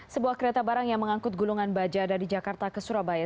sebuah kereta barang yang mengangkut gulungan baja dari jakarta ke surabaya